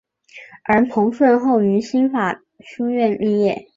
而彭顺后于新法书院毕业。